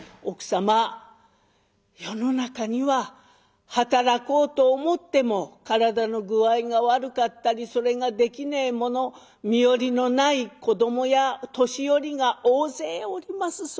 「奥様世の中には働こうと思っても体の具合が悪かったりそれができねえ者身寄りのない子どもや年寄りが大勢おります。